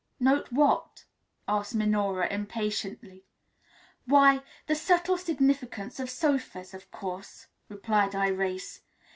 "Note what?" asked Minora impatiently. "Why, 'The Subtle Significance of Sofas', of course," replied Irais.